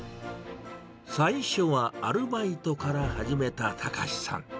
最初はアルバイトから始めた崇さん。